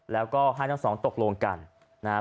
แล้วก็ให้ทั้งสองตกลงกันนะครับ